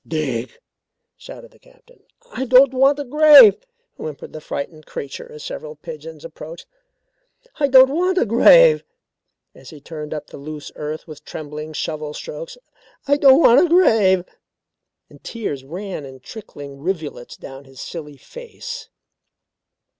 "Dig!" shouted the Captain. "I don't want a grave," whimpered the frightened creature as several pigeons approached. "I don't want a grave," as he turned up the loose earth with trembling shovel strokes. "I don't want a grave," and tears ran in trickling rivulets down his silly face.